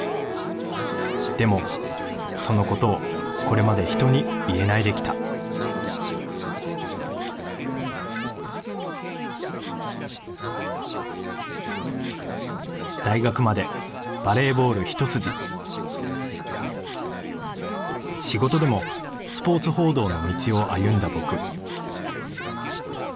でもそのことをこれまで人に言えないできた大学までバレーボールひと筋仕事でもスポーツ報道の道を歩んだ僕